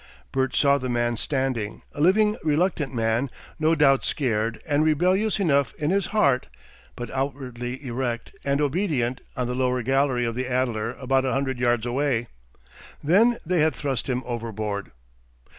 Bert saw the man standing, a living, reluctant man, no doubt scared and rebellious enough in his heart, but outwardly erect and obedient, on the lower gallery of the Adler about a hundred yards away. Then they had thrust him overboard.